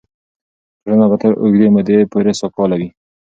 ټولنه به تر اوږدې مودې پورې سوکاله وي.